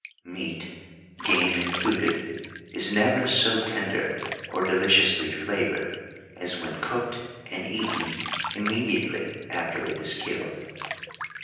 Meat, game included, is never so tender or deliciously flavoured as when cooked and eaten immediately after it is killed.